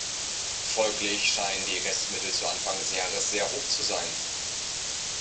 Folglich scheinen die Restmittel zu Anfang des Jahres sehr hoch zu sein.